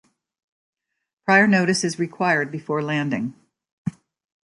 Prior notice is required before landing.